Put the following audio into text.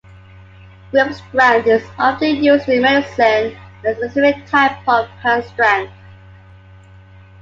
Grip strength is often used in medicine as a specific type of hand strength.